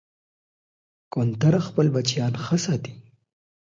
کوتره خپل بچیان ښه ساتي.